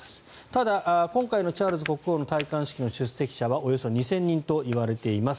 ただ、今回のチャールズ国王の戴冠式の出席者は、およそ２０００人といわれています。